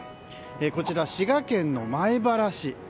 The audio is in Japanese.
こちら、滋賀県の米原市。